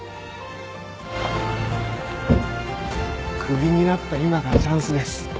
クビになった今がチャンスです。